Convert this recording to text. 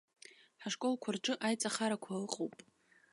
Ҳашколқәа рҿы аиҵахарақәа ыҟоуп.